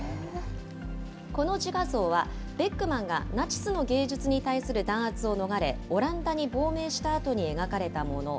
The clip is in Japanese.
この自画像は、ベックマンがナチスの芸術に対する弾圧を逃れ、オランダに亡命したあとに描かれたもの。